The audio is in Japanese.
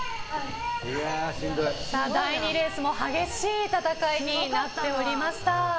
第２レースも激しい戦いになっておりました。